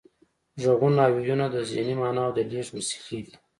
غږونه او وییونه د ذهني معناوو د لیږد وسیلې دي